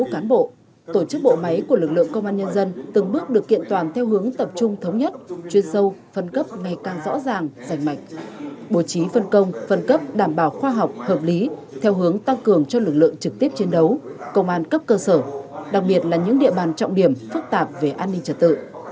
các cán bộ tổ chức bộ máy của lực lượng công an nhân dân từng bước được kiện toàn theo hướng tập trung thống nhất chuyên sâu phân cấp ngày càng rõ ràng rành mạch bố trí phân công phân cấp đảm bảo khoa học hợp lý theo hướng tăng cường cho lực lượng trực tiếp chiến đấu công an cấp cơ sở đặc biệt là những địa bàn trọng điểm phức tạp về an ninh trật tự